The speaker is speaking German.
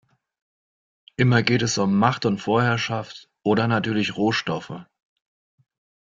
Immer geht es um Macht und Vorherschaft oder natürlich Rohstoffe.